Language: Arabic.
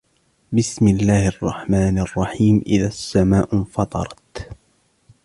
بسم الله الرحمن الرحيم إذا السماء انفطرت